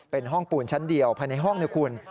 เป็นห้องปูนชั้นเดียวภายในห้องนะคุณ